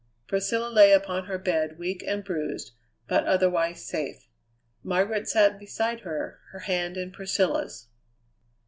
Priscilla lay upon her bed weak and bruised, but otherwise safe. Margaret sat beside her, her hand in Priscilla's.